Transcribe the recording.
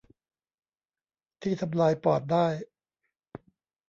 ที่ทำลายปอดได้